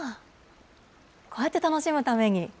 こうやって楽しむために。